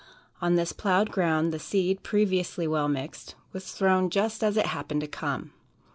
On this plowed ground, the seed, previously well mixed, was thrown just as it happened to come.